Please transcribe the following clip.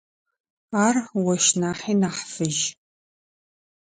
Ар ощ нахьи нахь фыжь.